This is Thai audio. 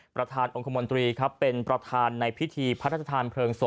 ประธานองค์คมนตรีครับเป็นประธานในพิธีพระราชทานเพลิงศพ